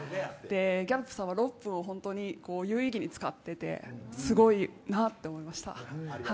ギャロップさんは６分を本当に有意義に使っていてすごいなと思いました。